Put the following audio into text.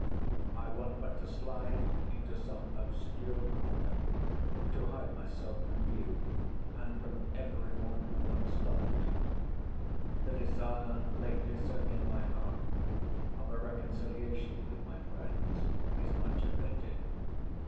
I want but to slide into some obscure corner, to hide myself from you and from every one who once loved me. The desire lately so near my heart, of a reconciliation with my friends, is much abated.